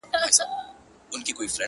ځوانان له هغه ځایه تېرېږي ډېر,